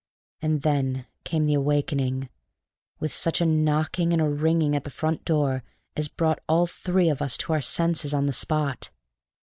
And then came the awakening with such a knocking and a ringing at the front door as brought all three of us to our senses on the spot.